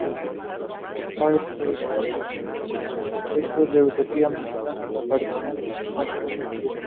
Varios textos de Etiopía mencionan la aparición de estos pájaros misteriosos.